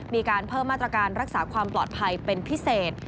มีการเพิ่มมาตรการรักษาความปลอดภัยเป็นพิเศษ